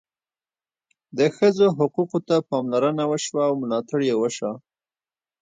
د ښځو حقوقو ته پاملرنه وشوه او ملاتړ یې وشو.